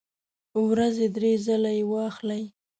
ورځې درې ځله یی واخلئ